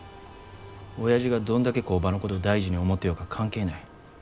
おやじがどんだけ工場のことを大事に思ってようが関係ない。